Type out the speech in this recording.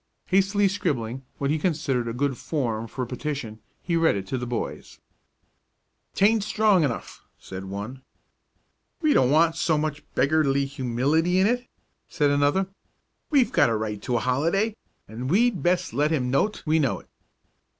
Hastily scribbling what he considered a good form for a petition, he read it to the boys. "'Taint strong enough," said one. "We don't want so much beggarly humility in it," said another. "We've got a right to a holiday, and we'd best let him know't we know it."